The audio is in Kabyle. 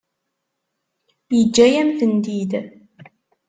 Yeǧǧa-yam-tent-id.